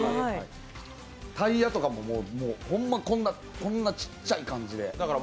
タイヤとか、ほんま、こんなちっちゃい感じで。